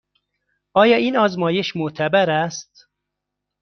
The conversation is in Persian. آیا این آزمایش معتبر است؟